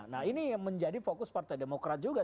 nah ini menjadi fokus partai demokrat juga